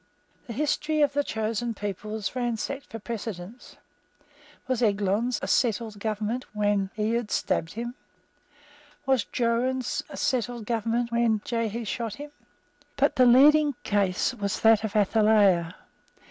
The history of the chosen people was ransacked for precedents. Was Eglon's a settled government when Ehud stabbed him? Was Joram's a settled government when Jehe shot him? But the leading case was that of Athaliah.